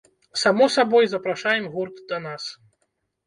Само сабой, запрашаем гурт да нас.